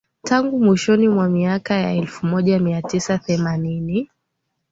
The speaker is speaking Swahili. Tangu mwishoni mwa miaka ya elfumoja miatisa themanini